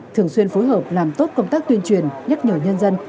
thường xuyên phối hợp làm tốt công tác tuyên truyền nhắc nhở nhân dân